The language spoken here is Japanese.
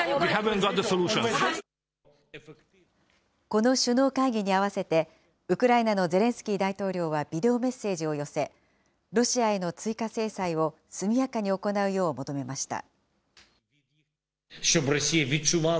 この首脳会議に合わせて、ウクライナのゼレンスキー大統領はビデオメッセージを寄せ、ロシアへの追加制裁を速やかに行うよう求めました。